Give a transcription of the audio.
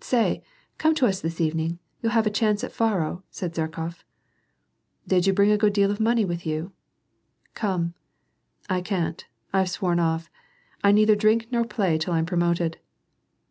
"Say, come to us this evening. You'll have a chance at faro," said Zherkof. " Did you bring a good deal of money with you ?"" CJome." "Can't. I've sworn off. I neither drink nor play till I'm promoted."